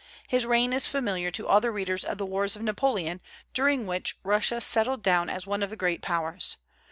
His reign is familiar to all the readers of the wars of Napoleon, during which Russia settled down as one of the great Powers.